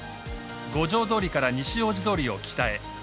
五条通から西大路通を北へ。